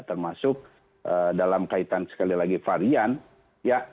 termasuk dalam kaitan sekali lagi varian ya